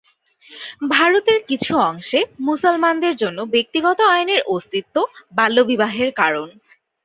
ভারতের কিছু অংশে মুসলমানদের জন্যে ব্যক্তিগত আইনের অস্তিত্ব বাল্যবিবাহের কারণ।